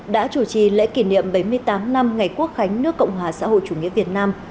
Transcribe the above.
đã chủ trì lễ kỷ niệm bảy mươi tám năm ngày quốc khánh nước cộng hòa xã hội chủ nghĩa việt nam